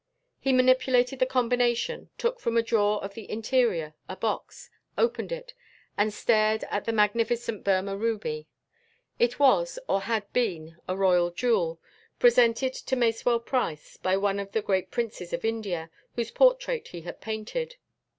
He manipulated the combination, took from a drawer of the interior a box, opened it and stared at a magnificent Burmah ruby. It was or had been a royal jewel, presented to Masewell Price by one of the great princes of India whose portrait he had painted.